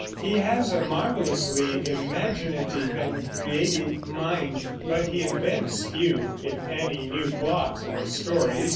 He has a marvelously imaginative and creative mind; but he invents few, if any, new plots or stories.